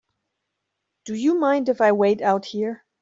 Do you mind if I wait out here?